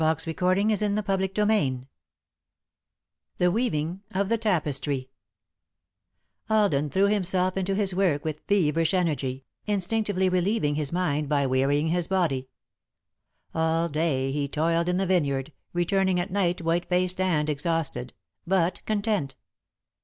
XXI The Weaving of the Tapestry [Sidenote: A Bunch of Grapes] Alden threw himself into his work with feverish energy, instinctively relieving his mind by wearying his body. All day he toiled in the vineyard, returning at night white faced and exhausted, but content.